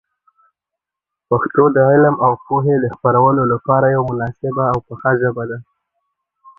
پښتو د علم او پوهي د خپرولو لپاره یوه مناسبه او پخه ژبه ده.